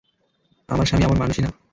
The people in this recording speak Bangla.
আমার স্বামী এমন মানুষই না।